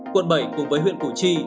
quận bảy cùng với huyện củ chi